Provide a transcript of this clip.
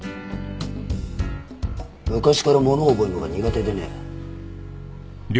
昔からものを覚えるのが苦手でね。